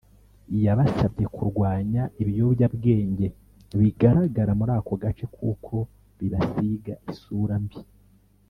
yabasabye kurwanya ibiyobyabwenge bigaragara muri ako gace kuko bibasiga isura mbi